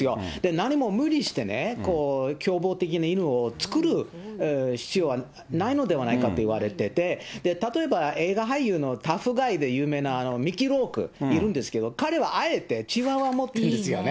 何も無理してね、凶暴的な犬を作る必要はないのではないかと言われてて、例えば映画俳優の、タフガイで有名なミッキー・ローク、いるんですけど、彼はあえて、チワワを持ってるんですよね。